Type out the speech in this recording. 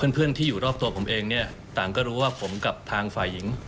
เพื่อนที่อยู่รอบตัวผมเองเนี่ยต่างก็รู้ว่าผมกับทางฝ่ายหญิง